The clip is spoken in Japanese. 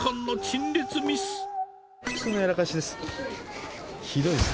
普通にやらかしです。